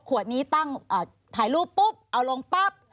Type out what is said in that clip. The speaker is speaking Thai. นี้ตั้งถ่ายรูปปุ๊บเอาลงปั๊บ